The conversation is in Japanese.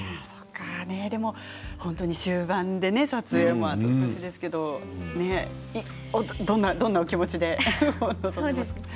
本当に終盤で、撮影もねあと少しですけれどどんなお気持ちで臨みますか？